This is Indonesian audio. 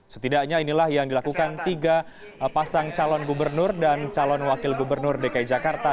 setidaknya inilah yang dilakukan tiga pasang calon gubernur dan calon wakil gubernur dki jakarta